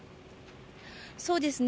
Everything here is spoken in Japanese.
そうですね。